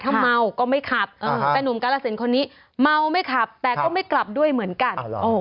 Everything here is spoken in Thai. ถ้าเมาก็ไม่ขับแต่หนุ่มกาลสินคนนี้เมาไม่ขับแต่ก็ไม่กลับด้วยเหมือนกัน